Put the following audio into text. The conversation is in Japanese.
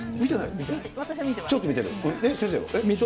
ちょっと見てる？